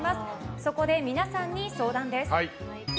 そこで皆さんに相談です。